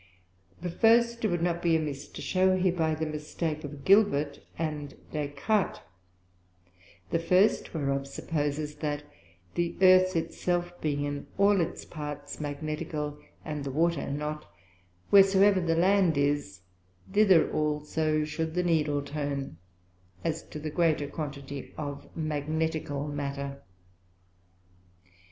But first it would not be amiss to shew hereby the mistake of Gilbert and Des Cartes: The first whereof supposes, that _the Earth it self being in all its parts Magnetical, and the Water not; wheresoever the Land is, thither also should the Needle turn, as to the greater quantity of Magnetical Matter_.